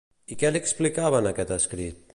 I què li explicava en aquest escrit?